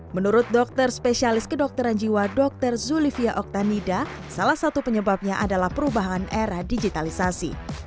menurut dokter spesialis kedokteran jiwa dr zulivia oktanida salah satu penyebabnya adalah perubahan era digitalisasi